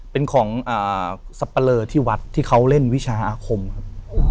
เป็นของสับปะเลอที่วัดที่เขาเล่นวิชาอาคมครับ